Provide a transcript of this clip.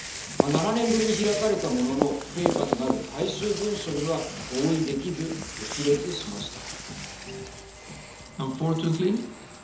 ７年ぶりに開かれたものの成果となる最終文書には合意できず決裂しました。